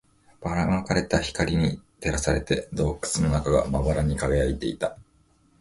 ばら撒かれた光に照らされて、洞窟の中がまばらに輝いていた